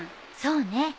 そうね。